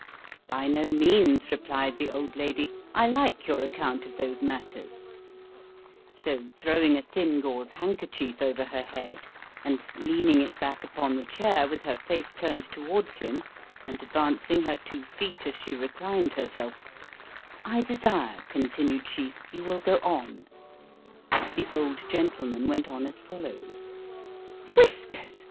By no means, replied the old lady—I like your account of those matters; so throwing a thin gauze handkerchief over her head, and leaning it back upon the chair with her face turned towards him, and advancing her two feet as she reclined herself——I desire, continued she, you will go on. The old gentleman went on as follows:——Whiskers!